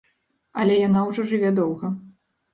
Але яна ўжо жыве доўга.